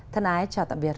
thân ái chào tạm biệt